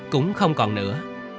cũng không còn nữa